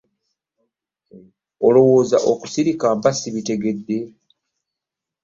olowooza okusirika mba sibitegedde?